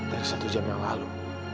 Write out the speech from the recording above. dari satu jam yang lalu